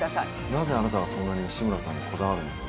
なぜあなたはそんなに志村さんにこだわるんです？